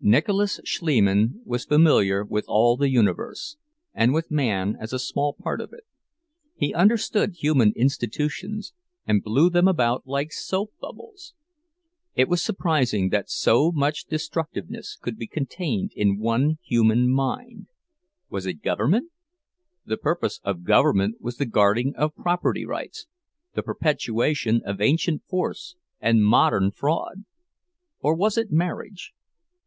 Nicholas Schliemann was familiar with all the universe, and with man as a small part of it. He understood human institutions, and blew them about like soap bubbles. It was surprising that so much destructiveness could be contained in one human mind. Was it government? The purpose of government was the guarding of property rights, the perpetuation of ancient force and modern fraud. Or was it marriage?